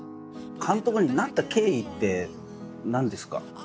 監督になった経緯って何ですか？